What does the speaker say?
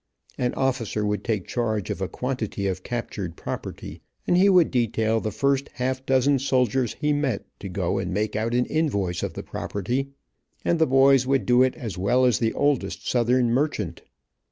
An officer would take charge of a quantity of captured property, and he would detail the first half dozen soldiers he met to go and make out an invoice of the property, and the boys would do it as well as the oldest southern merchant.